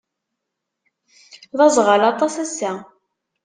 D aẓɣal aṭas ass-a.